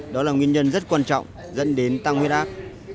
đó là nguyên nhân rất quan trọng dẫn đến tăng huyết áp